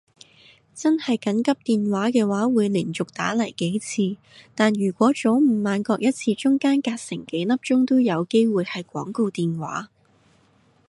真係緊急電話嘅話會連續打嚟幾次，但如果早午晚各一次中間隔成幾粒鐘都有機會係廣告電話